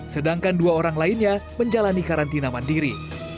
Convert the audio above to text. sedangkan dua orang lainnya menjalani karantina mandiri